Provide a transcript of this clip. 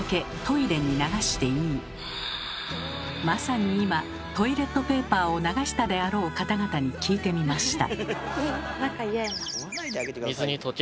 まさに今トイレットペーパーを流したであろう方々に聞いてみました。